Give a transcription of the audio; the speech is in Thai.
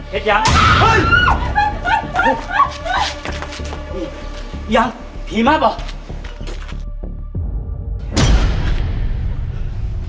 เห็นยังโอ้ยยังผีมาบหรอ